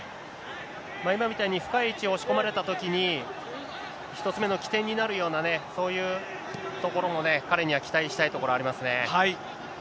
今みたいに深い位置に押し込まれたときに、１つ目の起点になるようなね、そういうところもね、彼には期待したいところありますね。